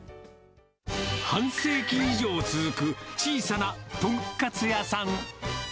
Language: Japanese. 半世紀以上続く小さな豚カツ屋さん。